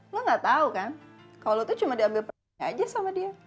lo gak tau kan kalau lo tuh cuma diambil aja sama dia